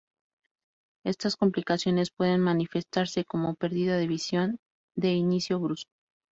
Estas complicaciones pueden manifestarse como perdida de visión de inicio brusco.